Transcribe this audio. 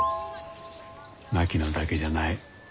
槙野だけじゃない。